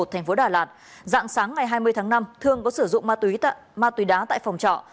thành phố đà lạt dạng sáng ngày hai mươi tháng năm thương có sử dụng ma túy ma túy đá tại phòng trọ